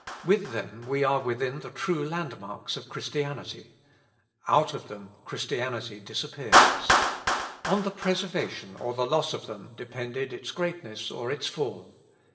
With them we are within the true land marks of Christianity out of them Christianity disappears. On the preservation or the loss of them depended its greatness or its fall.